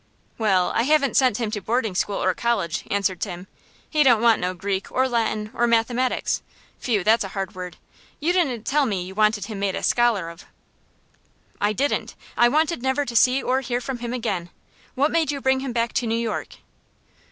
"Well, I haven't sent him to boarding school or college," answered Tim. "He don't know no Greek, or Latin, or mathematics phew, that's a hard word. You didn't tell me you wanted him made a scholar of." "I didn't. I wanted never to see or hear from him again. What made you bring him back to New York?"